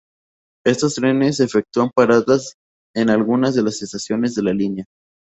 Estos trenes efectúan parada en algunas de las estaciones de la línea.